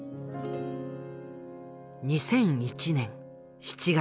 ２００１年７月。